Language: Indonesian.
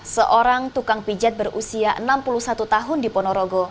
seorang tukang pijat berusia enam puluh satu tahun di ponorogo